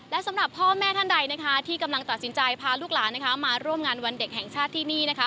และสำหรับพ่อแม่ท่านใดที่กำลังตัดสินใจพาลูกหลานมาร่วมงานวันเด็กแห่งชาติที่นี่นะคะ